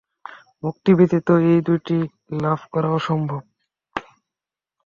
মুক্তি ব্যতীত এই দুইটি লাভ করা অসম্ভব।